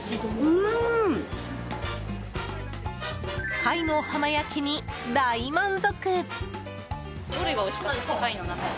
貝の浜焼きに大満足。